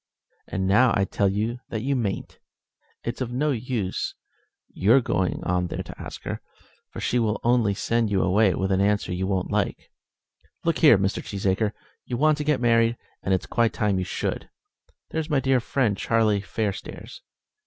"And now I tell you that you mayn't. It's of no use your going on there to ask her, for she will only send you away with an answer you won't like. Look here, Mr. Cheesacre; you want to get married, and it's quite time you should. There's my dear friend Charlie Fairstairs.